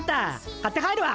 買って帰るわ。